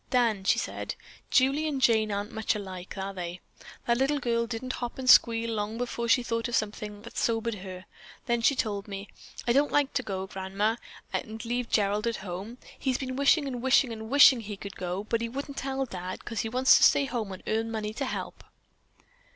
"Dan," she said, "Julie and Jane aren't much alike, are they? That little girl didn't hop and squeal long before she thought of something that sobered her. Then she told me, 'I don't like to go, Grandma, and leave Gerald at home. He's been wishing and wishing and wishing he could go, but he wouldn't tell Dad 'cause he wants to stay home and earn money to help.'"